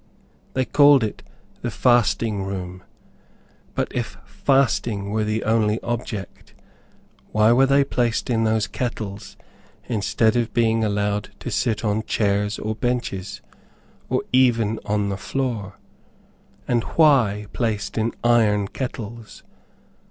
They called it the fasting room; but if fasting were the only object, why were they placed in those kettles, instead of being allowed to sit on chairs or benches, or even on the floor? And why placed in IRON kettles?